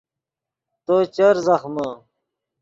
تو چر زخمے